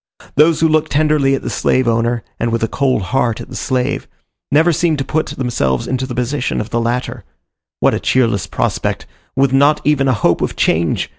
Those who look tenderly at the slave owner, and with a cold heart at the slave, never seem to put themselves into the position of the latter; what a cheerless prospect, with not even a hope of change!